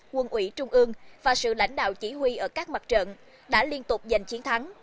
quân ủy trung ương và sự lãnh đạo chỉ huy ở các mặt trận đã liên tục giành chiến thắng